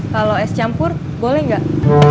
palo es campur boleh gak